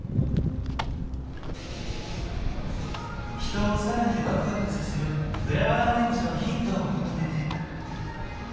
人を更にワクワクさせるフラワーアレンジのヒントを求めて。